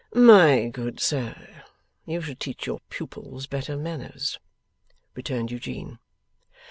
'My good sir, you should teach your pupils better manners,' returned Eugene.